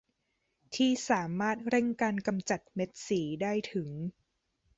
ที่สามารถเร่งการกำจัดเม็ดสีได้ถึง